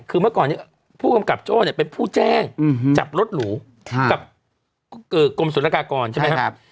คือเมื่อก่อนนี้ผู้กำกับโจ้เนี่ยเป็นผู้แจ้งจับรถหรูกับกรมศุลกากรใช่ไหมครับ